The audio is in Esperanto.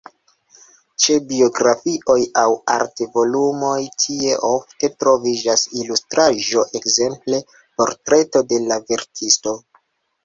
Ĉe biografioj aŭ art-volumoj tie ofte troviĝas ilustraĵo, ekzemple portreto de la verkisto.